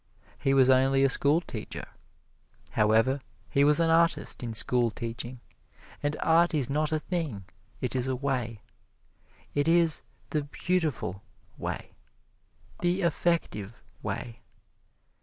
He was only a schoolteacher. However, he was an artist in schoolteaching, and art is not a thing it is a way. It is the beautiful way the effective way.